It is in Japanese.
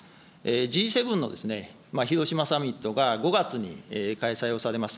Ｇ７の広島サミットが、５月に開催をされます。